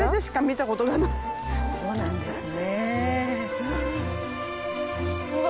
そうなんですね。